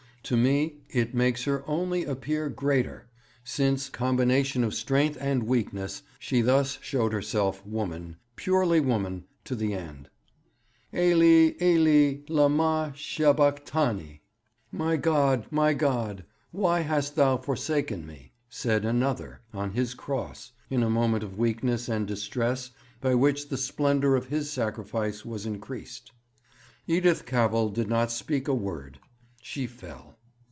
To me it only makes her appear greater, since, combination of strength and weakness, she thus showed herself woman, purely woman, to the end. "Eloi, Eloi, lama sabachthani?" "My God, My God, why hast Thou forsaken Me?" said Another on His cross, in a moment of weakness and distress by which the splendour of His sacrifice was increased. 'Edith Cavell did not speak a word; she fell.